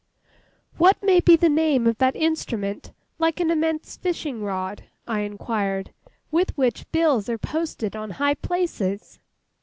'What may be the name of that instrument, like an immense fishing rod,' I inquired, 'with which bills are posted on high places?